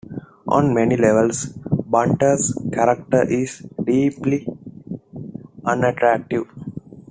On many levels, Bunter's character is deeply unattractive.